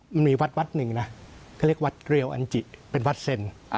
มันมีวัดวัดหนึ่งนะเขาเรียกวัดเรียวอันจิเป็นวัดเซ็น